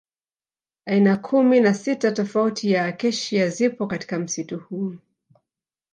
Aina kumi na sita tofauti ya Acacia zipo katika msitu huu